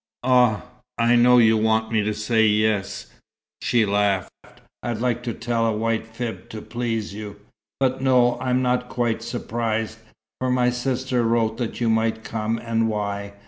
"Ah, I know you want me to say 'yes'," she laughed. "I'd like to tell a white fib, to please you. But no, I am not quite surprised, for my sister wrote that you might come, and why.